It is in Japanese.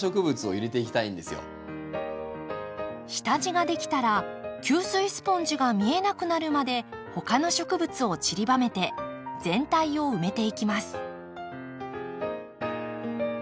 下地ができたら吸水スポンジが見えなくなるまで他の植物をちりばめて全体を埋めていきます。